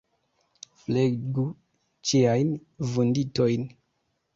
Flegu ciajn vunditojn.